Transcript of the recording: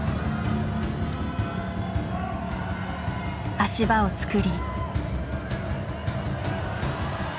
足場を作り。